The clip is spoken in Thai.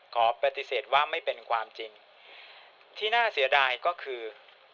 ขอปฏิเสธว่าไม่เป็นความจริงที่น่าเสียดายก็คือ